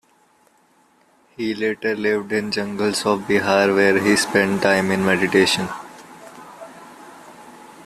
He later lived in the jungles of Bihar where he spent time in meditation.